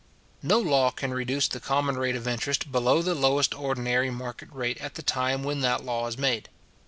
No law can reduce the common rate of interest below the lowest ordinary market rate at the time when that law is made.